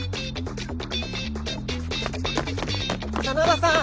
真田さん